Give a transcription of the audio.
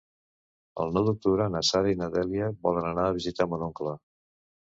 El nou d'octubre na Sara i na Dèlia volen anar a visitar mon oncle.